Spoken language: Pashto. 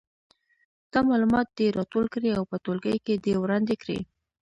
دا معلومات دې راټول کړي او په ټولګي کې دې وړاندې کړي.